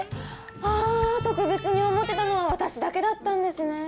あぁ特別に思ってたのは私だけだったんですね。